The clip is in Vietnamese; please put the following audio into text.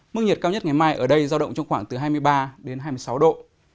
mức nhiệt cao nhất ngày mai ở đây giao động trong khoảng từ hai mươi ba đến hai mươi sáu độ